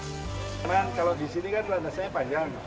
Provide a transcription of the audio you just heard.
memang kalau di sini kan landasannya panjang